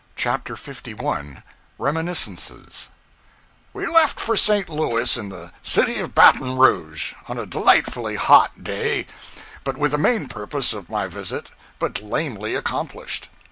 CHAPTER 51 Reminiscences WE left for St. Louis in the 'City of Baton Rouge,' on a delightfully hot day, but with the main purpose of my visit but lamely accomplished.